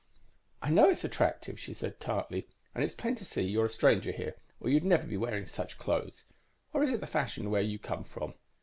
"_ _"I know it's attractive," she said tartly. "And it's plain to see you're a stranger here, or you'd never be wearing such clothes. Or is it the fashion where you come from?"